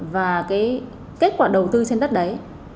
và cái kết quả đầu tư trên đất đấy